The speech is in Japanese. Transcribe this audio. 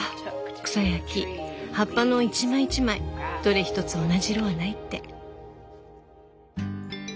草や木葉っぱの一枚一枚どれ一つ同じ色はないって。